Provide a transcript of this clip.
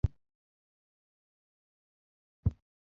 Muma nie lwete